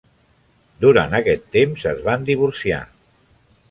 Durant aquest temps, es van divorciar.